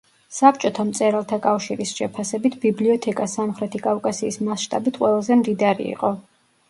საბჭოთა მწერალთა კავშირის შეფასებით, ბიბლიოთეკა სამხრეთი კავკასიის მასშტაბით ყველაზე მდიდარი იყო.